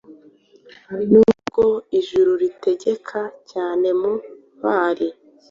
Nubwo ijuru ritegeka cyane mu ntwari